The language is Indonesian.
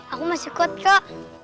aku masih kuat kok